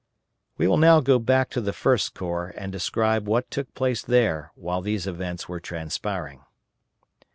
We will now go back to the First Corps and describe what took place there while these events were transpiring.